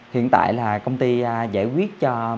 hiện tại là công ty giải quyết cho